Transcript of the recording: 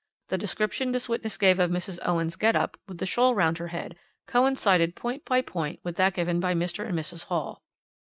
The description this witness gave of Mrs. Owen's get up, with the shawl round her head, coincided point by point with that given by Mr. and Mrs. Hall.